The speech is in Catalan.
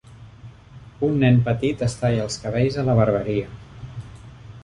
Un nen petit es talla els cabells a la barberia